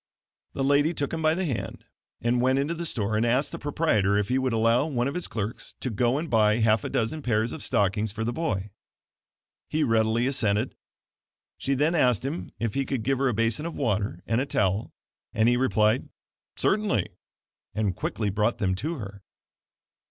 The lady took him by the hand and went into the store, and asked the proprietor if he would allow one of his clerks to go and buy half a dozen pairs of stockings for the boy. He readily assented. She then asked him if he could give her a basin of water and a towel, and he replied: "Certainly," and quickly brought them to her.